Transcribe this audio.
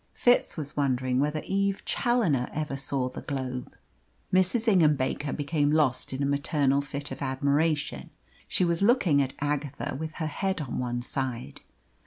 Fitz was wondering whether Eve Challoner ever saw the Globe. Mrs. Ingham Baker became lost in a maternal fit of admiration. She was looking at Agatha with her head on one side.